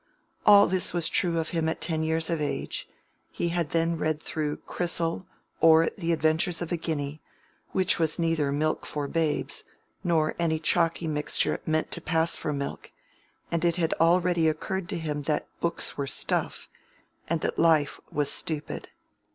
All this was true of him at ten years of age; he had then read through "Chrysal, or the Adventures of a Guinea," which was neither milk for babes, nor any chalky mixture meant to pass for milk, and it had already occurred to him that books were stuff, and that life was stupid.